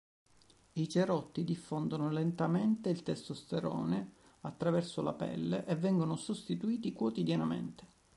I cerotti diffondono lentamente il testosterone attraverso la pelle e vengono sostituiti quotidianamente.